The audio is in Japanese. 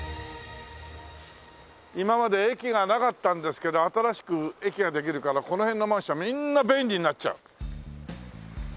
今まで駅がなかったんですけど新しく駅ができるからこの辺のマンションはみんな便利になっちゃう。